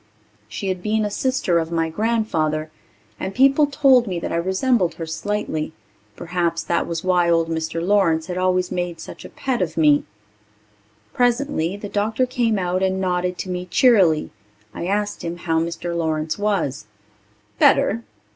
She had been a sister of my grandfather, and people told me that I resembled her slightly. Perhaps that was why old Mr. Lawrence had always made such a pet of me. Presently the doctor came out and nodded to me cheerily. I asked him how Mr. Lawrence was. "Better